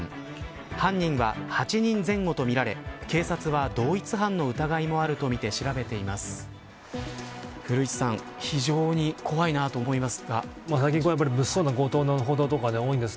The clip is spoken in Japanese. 犯人は８人前後とみられ警察は同一犯の疑いもあるとみて調べています。